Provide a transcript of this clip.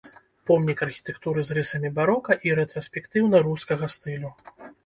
Помнік архітэктуры з рысамі барока і рэтраспектыўна-рускага стылю.